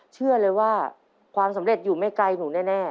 เชื่อเลยว่าความสำเร็จอยู่ไม่ไกลหนูแน่